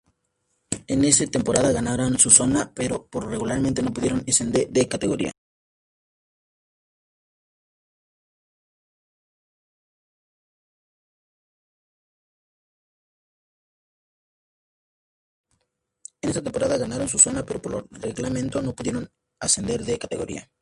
En esa temporada ganaron su Zona, pero por reglamento no pudieron ascender de categoría.